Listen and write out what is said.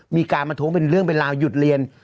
มีการประท้วงเป็นเรื่องเป็นราวหยุดเรียน